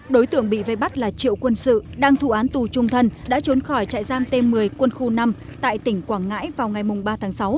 đối tượng bị vây bắt là triệu quân sự đang thụ án tù trung thân đã trốn khỏi trại giam t một mươi quân khu năm tại tỉnh quảng ngãi vào ngày ba tháng sáu